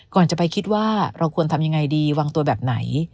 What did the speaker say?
ก่อนจะไปคิดว่าเราควรทำยังไงดีวางตัวแบบไหน